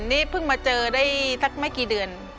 นี่เพิ่งมาเจอได้สักไม่กี่เดือน